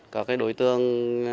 các đối tượng